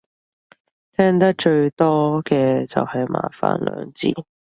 聽得最多嘅就係麻煩兩字